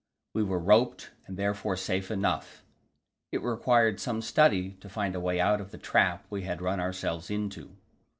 We were roped, and therefore safe enough. It required some study to find a way out of the trap we had run ourselves into.